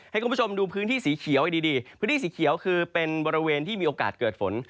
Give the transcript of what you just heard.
ให้คุณผู้ชมดูพื้นที่สีเขียวให้ดีพื้นที่สีเขียวคือเป็นบริเวณที่มีโอกาสเกิดฝน